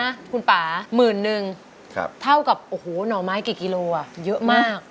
นี่นะคุณป่า๑๑๐๐๐บาทเท่ากับโอ้โหหน่อไม้กี่กิโลอะเยอะมาก